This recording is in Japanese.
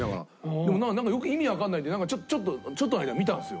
でも意味わかんないんでなんかちょっとちょっとの間見たんですよ。